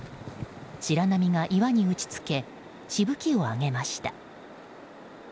白波が岩に打ち付けしぶきを上げました。